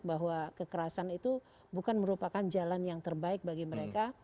bahwa kekerasan itu bukan merupakan jalan yang terbaik bagi mereka